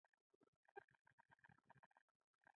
لکه ورا د مستو نجونو